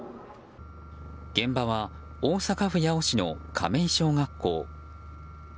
現場は大阪府八尾市の亀井小学校。